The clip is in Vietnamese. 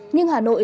nhưng hà nội